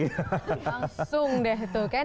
langsung deh itu kan